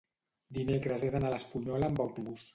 dimecres he d'anar a l'Espunyola amb autobús.